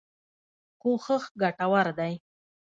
کوښښ ګټور دی.